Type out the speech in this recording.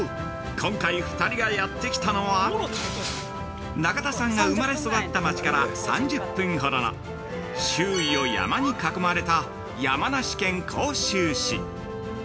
今回、２人がやってきたのは中田さんが生まれ育った町から３０分ほどの周囲を山に囲まれた山梨県甲州市。